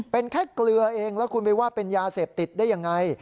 เป็นแค่เกลือเองแล้วคุณไปว่าเป็นยาเสพติดได้ยังไง